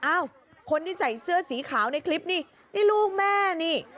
คนที่ใส่เสื้อสีขาวในคลิปนี่นี่ลูกแม่นี่